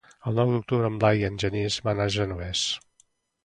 El nou d'octubre en Blai i en Genís van al Genovés.